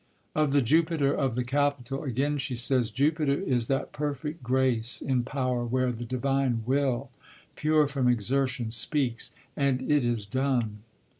Of the Jupiter of the Capitol, again, she says: "Jupiter is that perfect grace in power where the divine Will, pure from exertion, speaks, and It is done."